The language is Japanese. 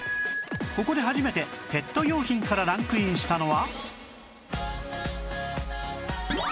ここで初めてペット用品からランクインしたのは